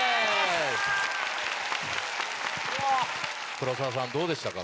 黒沢さんどうでしたか？